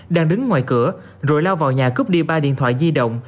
đang đứng ngoài cửa rồi lao vào nhà cướp đi ba điện thoại di động